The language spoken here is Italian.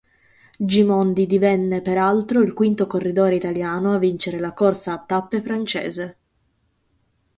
Gimondi divenne peraltro il quinto corridore italiano a vincere la corsa a tappe francese.